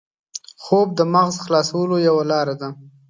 خوب د مغز خلاصولو یوه لاره ده